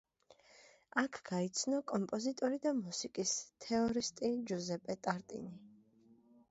აქ გაიცნო კომპოზიტორი და მუსიკის თეორისტი ჯუზეპე ტარტინი.